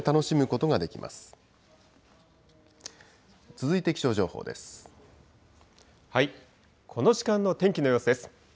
この時間の天気の様子です。